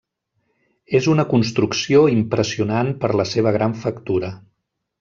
És una construcció impressionant per la seva gran factura.